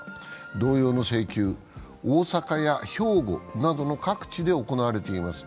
同様の請求は大阪や兵庫などの各地で行われています。